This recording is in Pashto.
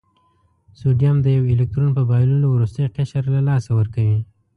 سوډیم د یو الکترون په بایللو وروستی قشر له لاسه ورکوي.